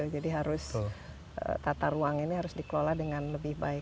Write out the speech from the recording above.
jadi tata ruang ini harus dikelola dengan lebih baik